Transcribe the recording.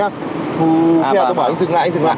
anh sừng lại anh sừng lại